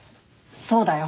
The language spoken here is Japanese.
そうだよ。